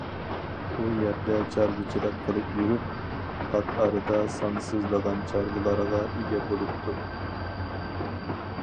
ئۇ يەردە چارۋىچىلىق قىلىپ يۈرۈپ، پات ئارىدا سانسىزلىغان چارۋىلارغا ئىگە بولۇپتۇ.